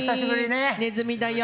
ねずみだよ！